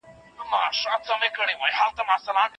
که ښځه او خاوند ګډ کار کوي عايد يې د چا دی؟